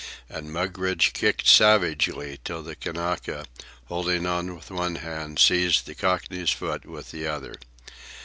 And Mugridge kicked savagely, till the Kanaka, hanging on with one hand, seized the Cockney's foot with the other.